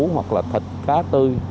hoặc là thịt khá tư